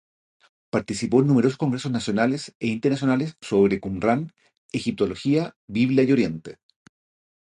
Participó en numerosos congresos nacionales e internacionales sobre Qumrán, Egiptología, Biblia y Oriente.